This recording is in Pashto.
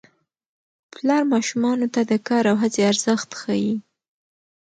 پلار ماشومانو ته د کار او هڅې ارزښت ښيي